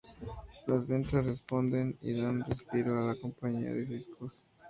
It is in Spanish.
Las ventas responden, y dan un respiro a la compañía de discos.